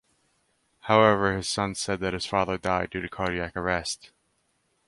However his son said that his father died due to cardiac arrest.